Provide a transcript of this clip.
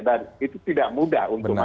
dan itu tidak mudah untuk masuk ke sana